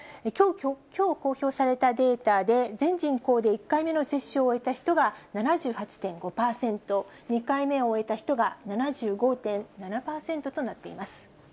きょう公表されたデータで、全人口で１回目の接種を終えた人が７８．５％、２回目を終えた人が７５．７％となっています。